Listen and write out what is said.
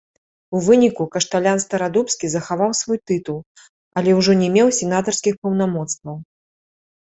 У выніку, кашталян старадубскі захаваў свой тытул, але ўжо не меў сенатарскіх паўнамоцтваў.